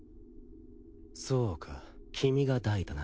そうか君がダイだな。